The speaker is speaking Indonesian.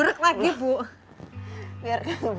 biar enggak beluruk pak biar ketong